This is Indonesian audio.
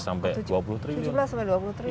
sampai tujuh belas sampai dua puluh triliun